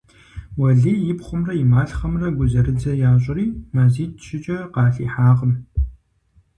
Уэлий и пхъумрэ и малъхъэмрэ гузэрыдзэ ящӀри, мазитӀ-щыкӀэ къалъихьакъым.